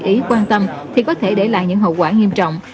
không để quan tâm thì có thể để lại những hậu quả nghiêm trọng